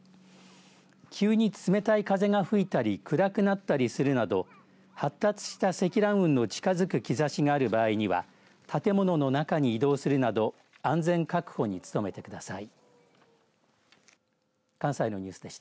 急に冷たい風が吹いたり暗くなったりするなど発達した積乱雲の近づく兆しがある場合には建物の中に移動するなど安全確保に努めてください。